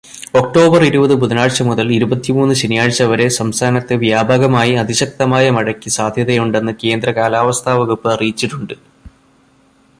October ഇരുപത് ബുധനാഴ്ച മുതൽ ഇരുപത്തിമൂന്ന് ശനിയാഴ്ച വരെ സംസ്ഥാനത്ത് വ്യാപകമായി അതിശക്തമായ മഴയ്ക്ക് സാധ്യതയുണ്ടെന്ന് കേന്ദ്രകാലാവസ്ഥാവകുപ്പ് അറിയിച്ചിട്ടുണ്ട്.